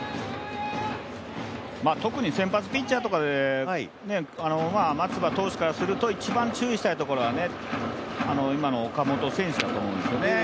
特に先発ピッチャーとかで松葉投手からすると一番注意したいところは今の岡本選手だと思うんですね。